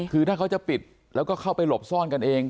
คือถ้าเขาจะปิดแล้วก็เข้าไปหลบซ่อนกันเอง